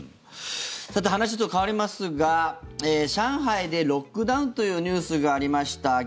さて、話ちょっと変わりますが上海でロックダウンというニュースがありました。